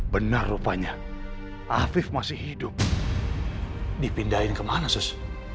benar rupanya afif masih hidup dipindahin kemana sus